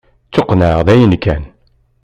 Ttuqennεeɣ dayen kan.